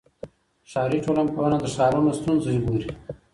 ښاري ټولنپوهنه د ښارونو ستونزې ګوري.